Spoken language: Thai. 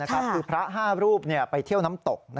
คือพระ๕รูปไปเที่ยวน้ำตก